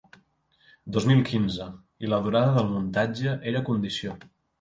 Dos mil quinze, i la durada del muntatge era condició.